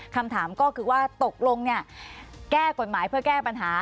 คำถามก็คือว่าตกลงแก้กฎหมายเพื่อแก้ปัญหา